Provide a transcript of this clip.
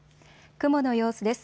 雲の様子です。